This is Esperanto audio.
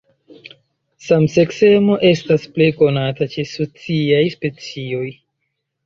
Samseksemo estas plej konata ĉe sociaj specioj.